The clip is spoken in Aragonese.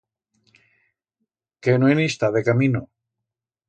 Que no en i'stá, de camino!